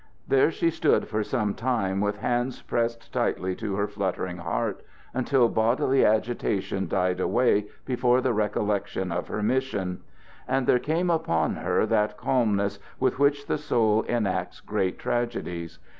There she stood for some time with hands pressed tightly to her fluttering heart, until bodily agitation died away before the recollection of her mission; and there came upon her that calmness with which the soul enacts great tragedies.